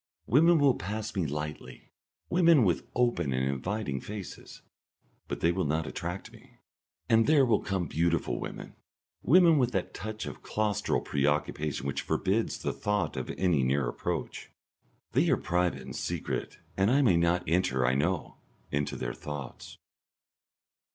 Women will pass me lightly, women with open and inviting faces, but they will not attract me, and there will come beautiful women, women with that touch of claustral preoccupation which forbids the thought of any near approach. They are private and secret, and I may not enter, I know, into their thoughts....